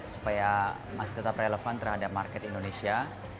supaya masih tetap relevan terhadap market indonesia